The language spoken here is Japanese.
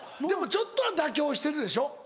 でもちょっとは妥協してるでしょ？